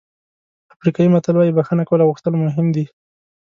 افریقایي متل وایي بښنه کول او غوښتل مهم دي.